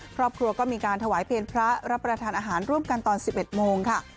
ครอบครัวก็มีการถวายเพลงพระรับประทานอาหารร่วมกันตอน๑๑โมงค่ะ